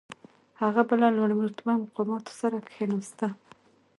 هغه به له لوړ رتبه مقاماتو سره کښېناسته.